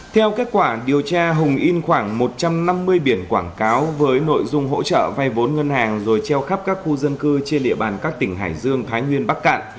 theo kết quả điều tra hùng in khoảng một trăm năm mươi biển quảng cáo với nội dung hỗ trợ vay vốn ngân hàng rồi treo khắp các khu dân cư trên địa bàn các tỉnh hải dương thái nguyên bắc cạn